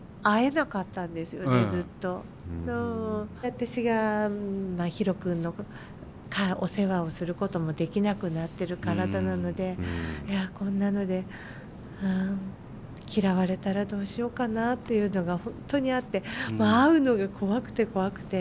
私がヒロ君のお世話をすることもできなくなってる体なのでこんなので嫌われたらどうしようかなっていうのが本当にあって会うのが怖くて怖くて。